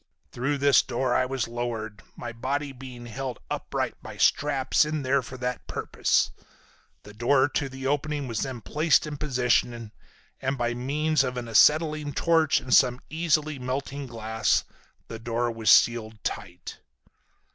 Through this door I was lowered, my body being held upright by straps in there for that purpose. The door to the opening was then placed in position, and by means of an acetylene torch and some easily melting glass, the door was sealed tight.